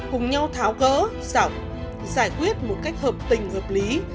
cùng nhau tháo gỡ giọng giải quyết một cách hợp tình hợp lý